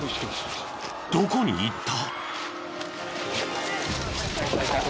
どこに行った？